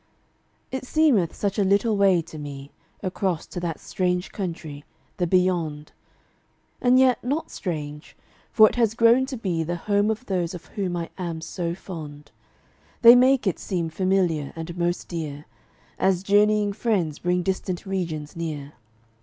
It seemeth such a little way to me Across to that strange country the Beyond; And yet, not strange, for it has grown to be The home of those of whom I am so fond, They make it seem familiar and most dear, As journeying friends bring distant regions near.